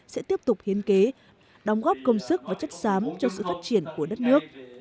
sẽ tiếp tục hiến kế đóng góp công sức và chất xám cho sự phát triển của đất nước